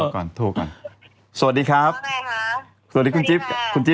ก็โทรประอบพุทธ